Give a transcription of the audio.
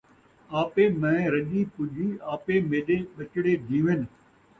آپے میں رڄی پُڄی، آپے میݙے ٻچڑے جیون